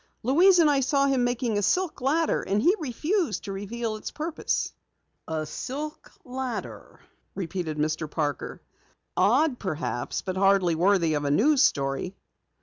Louise and I saw him making a silk ladder, and he refused to reveal its purpose." "A silk ladder?" repeated Mr. Parker. "Odd perhaps, but hardly worthy of a news story."